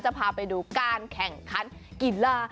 พาไปดูการแข่งขันกีฬา